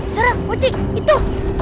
sarah wajah itu